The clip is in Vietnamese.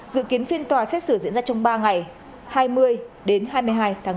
dự kiến phiên tòa xét xử diễn ra trong ba ngày hai mươi đến hai mươi hai tháng ba